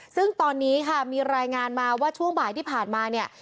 ซึ่งตอนนี้ค่ะมีรายงานมาว่าช่วงบ่ายที่ผ่านมาเนี่ย